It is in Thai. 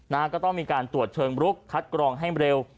ก็ต้องมีการตรวจเชิงลุกคัดกรองให้เร็ว